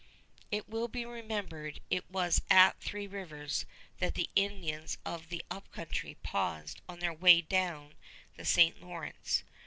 It will be remembered it was at Three Rivers that the Indians of the Up Country paused on their way down the St. Lawrence.